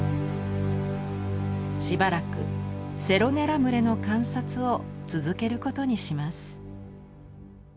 しばらく「セロネラ群れ」の観察を続けることにします。